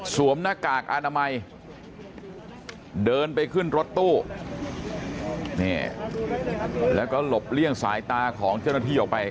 หน้ากากอนามัยเดินไปขึ้นรถตู้นี่แล้วก็หลบเลี่ยงสายตาของเจ้าหน้าที่ออกไป